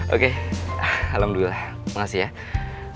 oke alhamdulillah makasih ya